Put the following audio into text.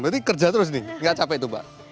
berarti kerja terus nih nggak capek tuh mbak